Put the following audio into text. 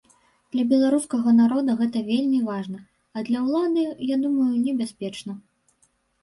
Для беларускага народа гэта вельмі важна, а для ўлады, я думаю, небяспечна.